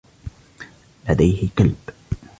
لديه كلب.